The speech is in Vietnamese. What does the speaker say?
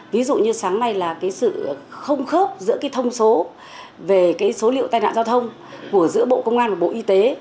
ví dụ như sáng nay là cái sự không khớp giữa cái thông số về cái số liệu tai nạn giao thông của giữa bộ công an và bộ y tế